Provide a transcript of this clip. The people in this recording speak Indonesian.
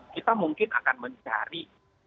kita mungkin akan mencari